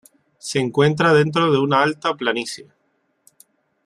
Se encuentra dentro de una alta planicie.